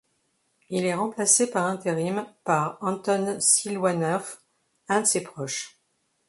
Il est remplacé par intérim par Anton Silouanov, un de ses proches.